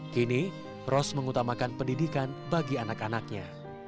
kini ros mengutamakan pendidikan bagi anak anaknya